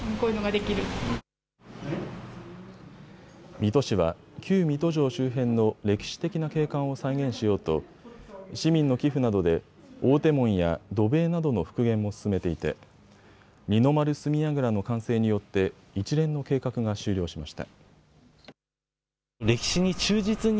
水戸市は旧水戸城周辺の歴史的な景観を再現しようと市民の寄付などで大手門や土塀などの復元も進めていて二の丸角櫓の完成によって一連の計画が終了しました。